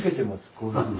こういうふうに。